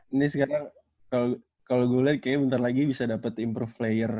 ini sekarang kalau gue lihat kayaknya bentar lagi bisa dapat improve player